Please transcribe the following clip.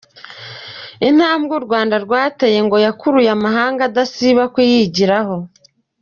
Intambwe u Rwanda rwateye ngo yakuruye amahanga adasiba kuyigiraho.